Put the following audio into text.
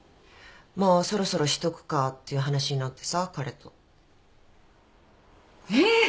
もうそろそろしとくかっていう話になってさ彼と。え。